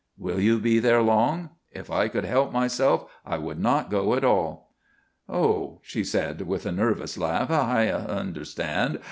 "Will you be there long?" "If I could help myself, I would not go at all." "Oh," she said, with a nervous laugh. "I understand.